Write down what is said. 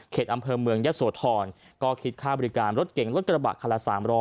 อำเภอเมืองยะโสธรก็คิดค่าบริการรถเก่งรถกระบะคันละ๓๐๐